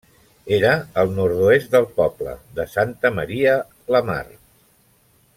Era al nord-oest del poble de Santa Maria la Mar.